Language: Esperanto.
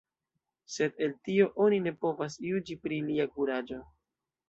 Sed el tio oni ne povas juĝi pri lia kuraĝo.